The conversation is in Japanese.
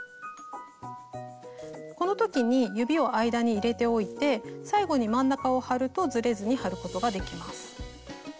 この時に指を間に入れておいて最後に真ん中を貼るとずれずに貼ることができます。